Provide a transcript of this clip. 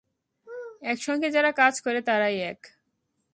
একসঙ্গে যারা কাজ করে তারাই এক।